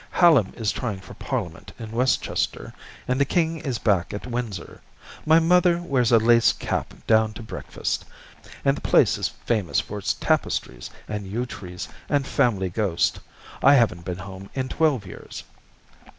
"Hallem is trying for Parliament in Westchester and the King is back at Windsor. My mother wears a lace cap down to breakfast, and the place is famous for its tapestries and yew trees and family ghost. I haven't been home in twelve years."